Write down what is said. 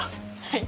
はい。